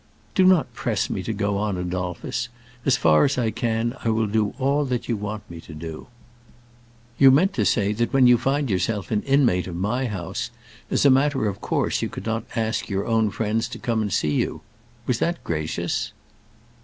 "Do not press me to go on, Adolphus. As far as I can, I will do all that you want me to do." "You meant to say that when you find yourself an inmate of my house, as a matter of course you could not ask your own friends to come and see you. Was that gracious?"